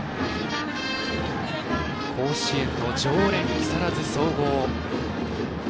甲子園の常連、木更津総合。